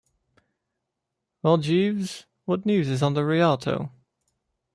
Well, Jeeves, what news on the Rialto?